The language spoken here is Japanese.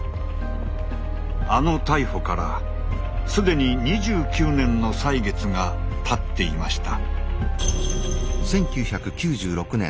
あの逮捕からすでに２９年の歳月がたっていました。